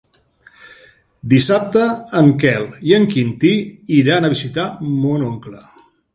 Dissabte en Quel i en Quintí iran a visitar mon oncle.